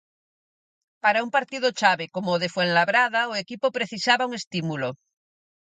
Para un partido chave como o de Fuenlabrada o equipo precisaba un estímulo.